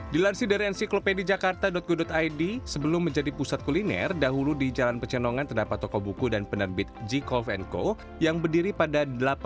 dilansir dari encyklopediajakarta co id sebelum menjadi pusat kuliner dahulu di jalan pecenongan terdapat toko buku dan penerbit j kovenko yang berdiri pada seribu delapan ratus empat puluh delapan